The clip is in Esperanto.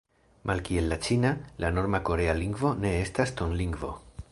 Malkiel la ĉina, la norma korea lingvo ne estas tonlingvo.